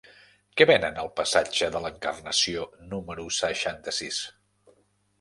Què venen al passatge de l'Encarnació número seixanta-sis?